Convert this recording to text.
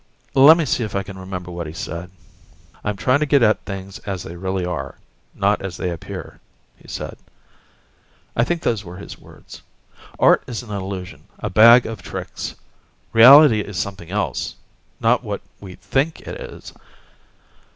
Lemme see if I can remember what he said. "I'm trying to get at things as they really are, not as they appear," he said. I think those were his words. "Art is an illusion, a bag of tricks. Reality is something else, not what we think it is.